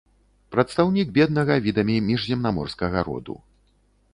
Прадстаўнік беднага відамі міжземнаморскага роду.